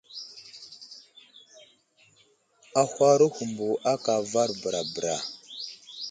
Ahwaro humbo aka avar bəra bəra.